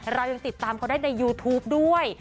เรายังติดตามเขาได้ในยูทูปด้วย